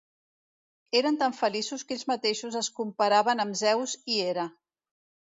Eren tan feliços, que ells mateixos es comparaven a Zeus i Hera.